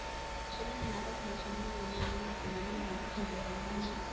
ishirini na tatu na shilingi mia mbili themianini na tisa za Tanzania